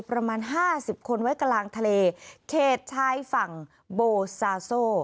ประมาณห้าสิบคนไว้กลางทะเลเขตชายฝั่งโบซาโซ